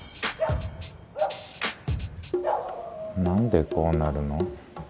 何でこうなるの？